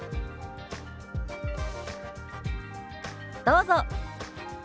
どうぞ。